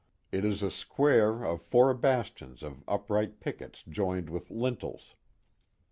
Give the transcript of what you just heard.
It is a square of four bastions of upright pickets joined with lintels.